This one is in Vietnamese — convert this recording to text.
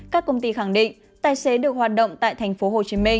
các công ty khẳng định tài xế được hoạt động tại tp hcm